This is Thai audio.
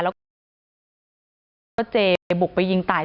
แล้วก็เพิ่งเจไปบุกไปยิงตาก่อน